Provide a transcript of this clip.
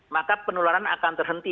maka penularan akan terhenti